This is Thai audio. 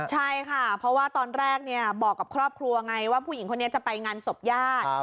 ใช่ค่ะเพราะว่าตอนแรกบอกกับครอบครัวไงว่าผู้หญิงคนนี้จะไปงานศพญาติ